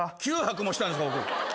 ９泊もしたんですか？